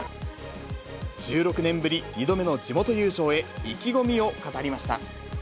１６年ぶり２度目の地元優勝へ、意気込みを語りました。